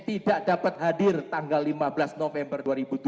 tidak dapat hadir tanggal lima belas november dua ribu tujuh belas